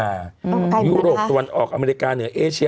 มันปลายแล้วทะกาลค่ะดูโรคตะวันออกอเมริกาเนื้อเอเชีย